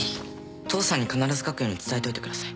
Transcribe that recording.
父さんに必ず書くように伝えといてください